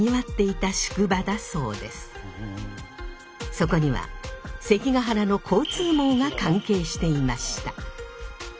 そこには関ケ原の交通網が関係していました。